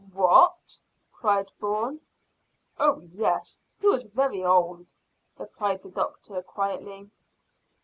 "What?" cried Bourne. "Oh yes, he was very old," replied the doctor quietly.